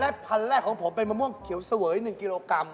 และพันธุ์แรกของผมเป็นมะม่วงเขียวเสวย๑กิโลกรัม